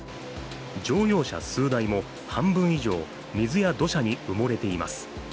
乗用車数台も半分以上、水や土砂に埋もれています。